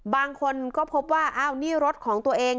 บางคนก็พบว่าอ้าวนี่รถของตัวเอง